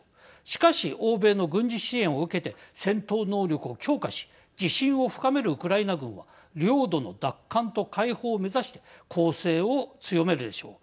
しかし、欧米の軍事支援を受けて戦闘能力を強化し自信を深めるウクライナ軍は領土の奪還と解放を目指して攻勢を強めるでしょう。